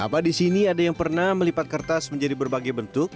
apa di sini ada yang pernah melipat kertas menjadi berbagai bentuk